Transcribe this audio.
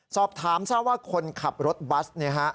สอบถามเจ้าว่าคนขับรถบัส